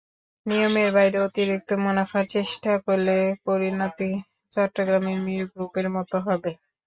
নিয়মের বাইরে অতিরিক্ত মুনাফার চেষ্টা করলে পরিণতি চট্টগ্রামের মীর গ্রুপের মতো হবে।